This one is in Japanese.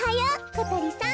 ことりさん。